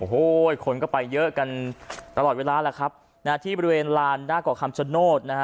โอ้โหคนก็ไปเยอะกันตลอดเวลาแล้วครับที่บริเวณลานหน้าก่อคำสนดนะฮะ